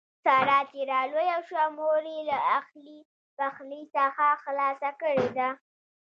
ساره چې را لویه شوه مور یې له اخلي پخلي څخه خلاصه کړې ده.